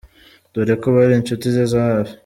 dore ko bari inshuti ze za hafi.